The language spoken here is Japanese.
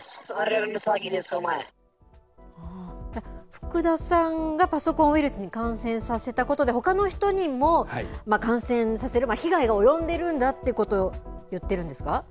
福田さんがパソコンウイルスに感染させたことで、ほかの人にも感染させる、被害は及んでるんだということを言ってるんですか？